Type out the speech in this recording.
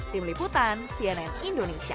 tim liputan cnn indonesia